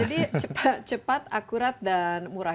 jadi cepat akurat dan murah